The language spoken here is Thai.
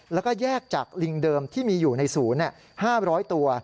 แล้วก็แยกจากลิงเดิมที่มีอยู่ในศูนย์๕๐๐ตัว